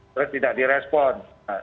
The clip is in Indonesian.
terus tidak di respon